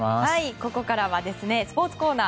ここからはスポーツコーナー。